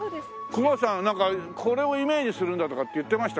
隈さんはこれをイメージするんだとかって言ってました？